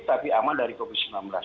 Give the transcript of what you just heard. tapi aman dari covid sembilan belas